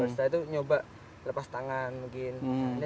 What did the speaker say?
setelah itu nyoba lepas tangan mungkin